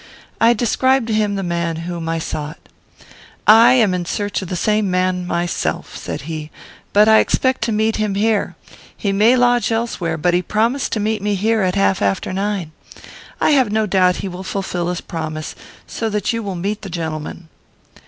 I described to him the man whom I sought. "I am in search of the same man myself," said he, "but I expect to meet him here. He may lodge elsewhere, but he promised to meet me here at half after nine. I have no doubt he will fulfil his promise, so that you will meet the gentleman."